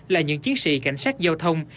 là những chiến sĩ cảnh sát giao thông